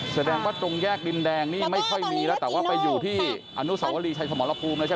แสดงว่าตรงแยกดินแดงนี่ไม่ค่อยมีแล้วแต่ว่าไปอยู่ที่อนุสาวรีชัยสมรภูมิแล้วใช่ไหม